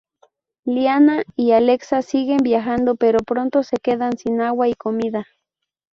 Liana y Alexa siguen viajando, pero pronto se quedan sin agua y comida.